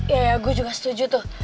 ya ya gue juga setuju tuh